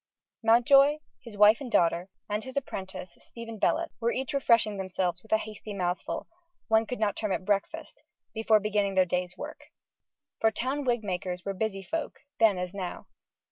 Mountjoy, his wife and daughter, and his apprentice, Stephen Bellott, were each refreshing themselves with a hasty mouthful one could not term it breakfast before beginning their day's work. For town wig makers were busy folk, then as now.